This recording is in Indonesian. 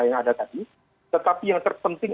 yang ada tadi tetapi yang terpenting